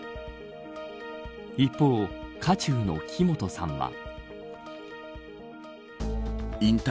一方、渦中の木本さんは。